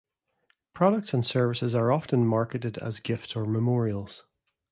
Products and services are often marketed as gifts or memorials.